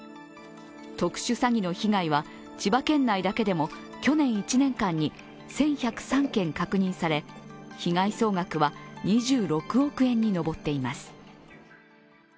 特殊詐欺の被害は千葉県内だけでも去年１年間に１１０３件確認され、被害総額は２６億円に上っています。